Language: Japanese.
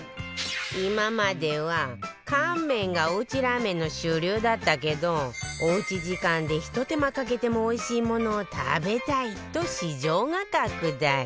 今までは乾麺がおうちラーメンの主流だったけどおうち時間でひと手間かけてもおいしいものを食べたいと市場が拡大